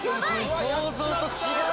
想像と違う！